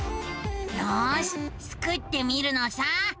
よしスクってみるのさ。